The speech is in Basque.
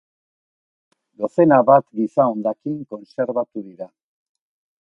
Dozena bat giza hondakin kontserbatu dira.